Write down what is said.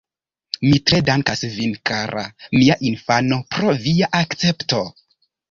Mi tre dankas vin, kara mia infano pro via akcepto.